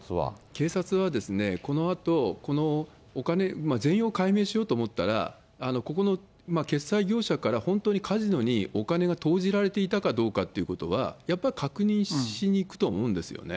警察はこのあと、このお金、全容解明しようと思ったら、ここの決済業者から本当にカジノにお金が投じられていたかどうかということは、やっぱり確認しにいくと思うんですよね。